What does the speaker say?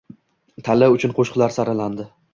Tanlov uchun qo‘shiqlar saralandi